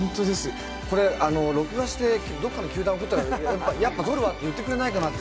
これ、録画して、どこかの球団に送ったらやっぱ取るわって言ってくれないかなと。